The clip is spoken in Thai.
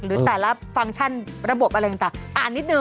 หรือแต่ละฟังก์ชั่นระบบอะไรต่างอ่านนิดนึ